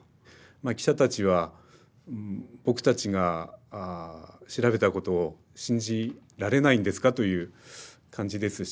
記者たちは「僕たちが調べたことを信じられないんですか？」という感じですし